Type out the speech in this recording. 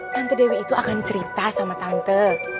tante dewi itu akan cerita sama tante